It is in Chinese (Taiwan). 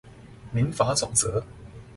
民法總則